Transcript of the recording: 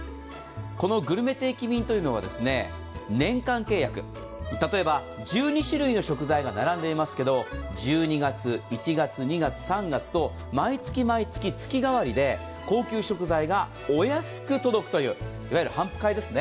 このグルメ定期便というのは年間契約、例えば、１２種類の食材が並んでいますけれども、１２月、１月、２月、３月と毎月、毎月、月替わりで高級食材がお安く届くといういわゆる頒布会ですね。